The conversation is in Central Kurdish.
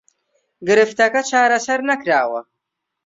گرفتەکە چارەسەر نەکراوە